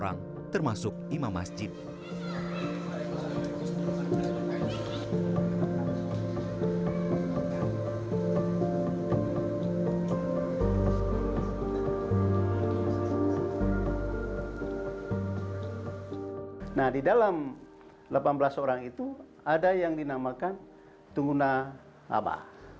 nah di dalam delapan belas orang itu ada yang dinamakan tungguna aba